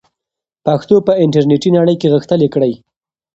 پښتو په انټرنیټي نړۍ کې غښتلې کړئ.